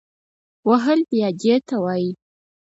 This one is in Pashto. وهل بیا دې ته وایي